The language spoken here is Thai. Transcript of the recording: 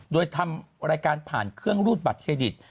โดยทำรายการผ่านเครื่องรูดบัตรเครดิต